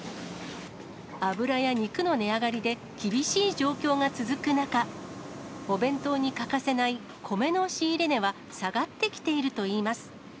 油や肉の値上がりで、厳しい状況が続く中、お弁当に欠かせない、米の仕入れ値は下がってきているといいます。